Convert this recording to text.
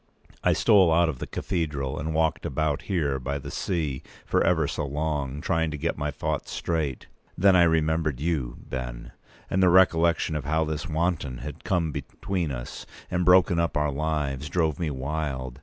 I stole out of the cathedral, and walked about here by the sea for ever so long, trying to get my thoughts straight. Then I remembered you, Ben; and the recollection of how this wanton had come between us and broken up our lives drove me wild.